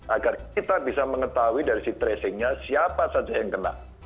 agar kita bisa mengetahui dari si tracingnya siapa saja yang kena